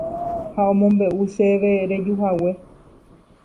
ha omombe'u chéve rejuhague